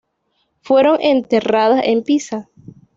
Fueron enterradas en Pisa.